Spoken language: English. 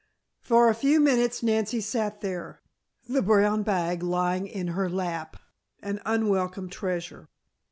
For a few minutes Nancy sat there, the brown bag lying in her lap, an unwelcome treasure.